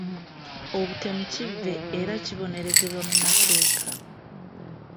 Obutemu kivve era kibonerezebwa mu mateeka.